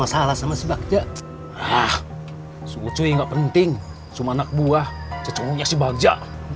ah suhu cuy gak penting cuma anak buah cecongnya si bagja